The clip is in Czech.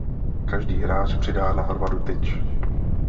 Každý hráč přidá na hromadu tyč.